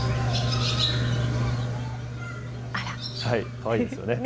かわいいですよね。